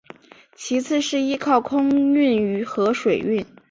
其次是依靠空运和水运。